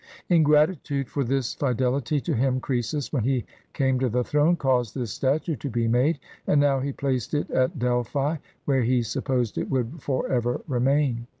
In gratitude for this fidelity to him, Croesus, when he came to the throne, caused this statue to be made, and now he placed it at Delphi, where he supposed it would forever remain.